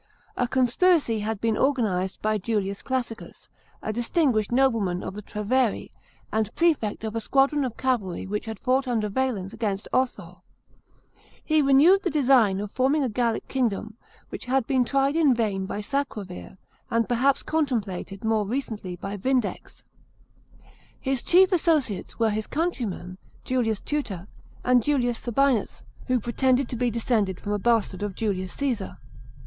A conspiracy had been organized by Julius CLissicus, a distinguished nobleman of the Treveri, and prefect of a squadron of cavalry which had fought under Valens against Otho. He renewed the design of forming a Gallic kingdom, which had been tried in vain by ISacrovir, and perhaps contemplated more recently by Vindex. His chief associates were his countryman Julius Tutor, and Julius Sabinus, a Lingon, who pretended to be descended from a bastard of Julius Csesar.